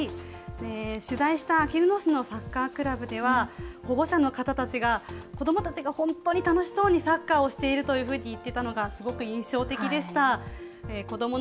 取材したあきる野市のサッカークラブでは、保護者の方たちが、子どもたちが本当に楽しそうにサッカーをしているというふうに言っていたのが、すごく印象的でした。